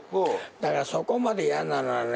だからそこまで嫌ならね